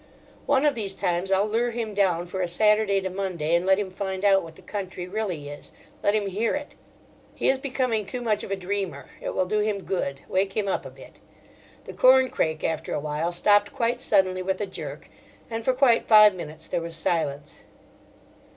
One of these times I'll lure him down for a Saturday to Monday and let him find out what the country really is—let him hear it. He is becoming too much of a dreamer: it will do him good, wake him up a bit. The corncrake after awhile stopped quite suddenly with a jerk, and for quite five minutes there was silence.